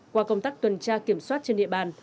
qua công tác tuần tra kiểm soát trên địa bàn